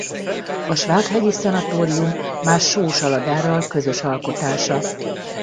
A Svábhegyi szanatórium már Sós Aladárral közös alkotása.